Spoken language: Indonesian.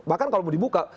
bahkan kalau mau dibuka